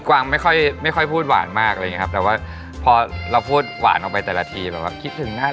กว้างไม่ค่อยพูดหวานมากแต่ว่าเราพูดหวานออกไปแต่ละทีแล้วก็คิดถึงน่ารัก